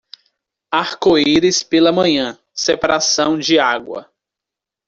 Arco-íris pela manhã, separação de água.